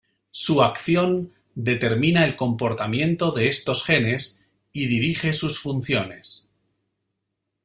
Su acción determina el comportamiento de estos genes y dirige sus funciones.